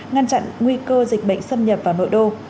ngăn chặn nguy cơ dịch bệnh xâm nhập vào nội đô